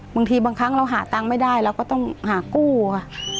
บางทีบางครั้งเราหาตังค์ไม่ได้เราก็ต้องหากู้ค่ะ